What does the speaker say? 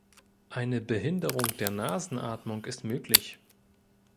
Eine Behinderung der Nasenatmung ist möglich.